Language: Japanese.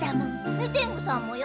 メテングさんもよ。